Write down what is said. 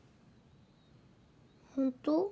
本当？